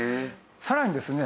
さらにですね